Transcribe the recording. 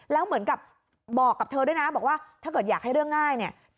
แล้วเหมือนกับบอกกับเธอด้วยนะบอกว่าถ้าเกิดอยากให้เรื่องง่ายเนี่ย